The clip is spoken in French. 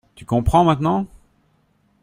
Tu comprends, maintenant?